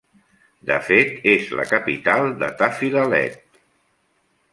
De fet, és la capital de Tafilalet.